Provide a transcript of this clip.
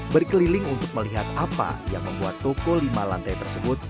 berkeliling untuk melihat apa yang membuat toko lima lantai tersebut